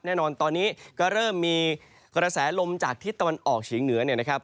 แน่นอนตอนนี้ก็เริ่มมีกระแสลมจากทิศตะวันออกเฉียงเหนือเนี่ยนะครับ